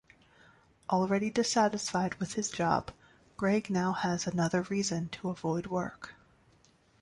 Already dissatisfied with his job, Greg now has another reason to avoid work.